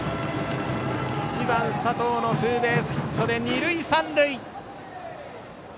１番、佐藤のツーベースヒットで二塁三塁。